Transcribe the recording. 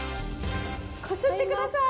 こすってください。